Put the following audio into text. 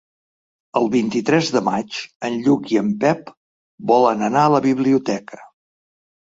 El vint-i-tres de maig en Lluc i en Pep volen anar a la biblioteca.